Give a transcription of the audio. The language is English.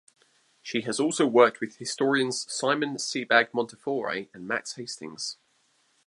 She has also worked with historians Simon Sebag Montefiore and Max Hastings.